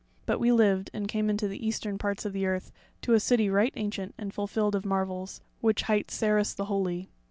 But we lived, and came into the eastern parts of the earth to a city right ancient, and fulfilled of marvels, which hight Sarras the Holy.